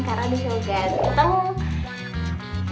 karena disuruh gantung